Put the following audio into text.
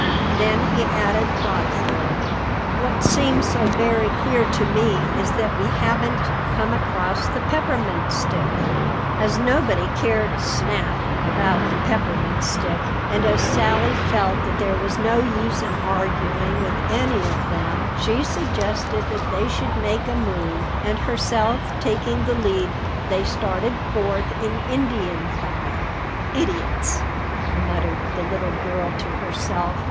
Then he added thoughtfully, "What seems so very queer to me is that we haven't come across the Peppermint Stick." As nobody cared a snap about the Peppermint Stick and as Sally felt that there was no use in arguing with any of them, she suggested that they should make a move, and herself taking the lead, they started forth in Indian file. "Idiots!" muttered the little girl to herself.